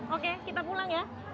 oke kita pulang ya